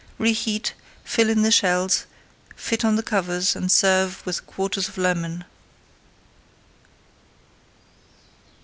Reheat, fill the shells, fit on the covers, and serve with quarters of lemon.